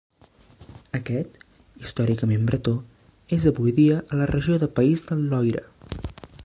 Aquest, històricament bretó, és avui dia a la regió de País del Loira.